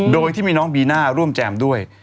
โดยที่มีน้องบีน่าร่วมแจมด้วย